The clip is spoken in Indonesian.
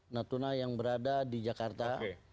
natuna yang berada di jakarta